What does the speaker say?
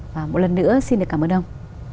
và một lần nữa xin được cảm ơn ông